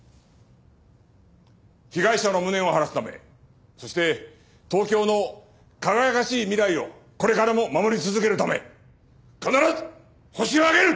被害者の無念を晴らすためそして東京の輝かしい未来をこれからも守り続けるため必ずホシを挙げる！